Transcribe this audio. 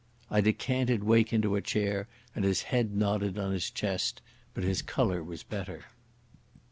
I decanted Wake into a chair, and his head nodded on his chest. But his colour was better.